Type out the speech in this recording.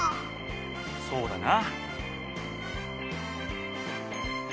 そうだな。